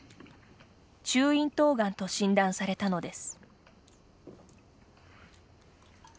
中咽頭がんと診断されたのです。